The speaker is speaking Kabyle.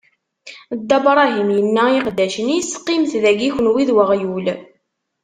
Dda Bṛahim inna i iqeddacen-is: Qqimet dagi kenwi d uɣyul.